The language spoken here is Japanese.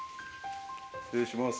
失礼します。